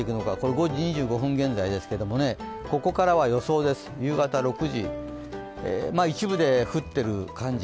５時２５分現在ですけど、ここからは予想です、夕方６時、一部で降ってる感じ。